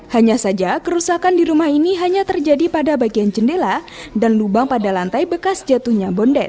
hanya saja kerusakan di rumah ini hanya terjadi pada bagian jendela dan lubang pada lantai bekas jatuhnya bondet